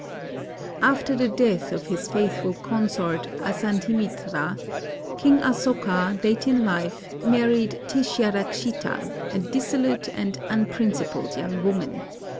After the death of his faithful consort Asandhimitra, King Asoka, late in life, married Tishyarakshita, a dis solute and unprincipled young woman.